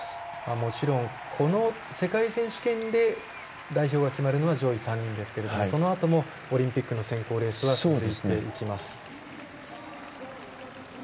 もちろんこの世界選手権で代表が決まるのは上位３人ですけれどもそのあともオリンピックの選考レースは続いていきます。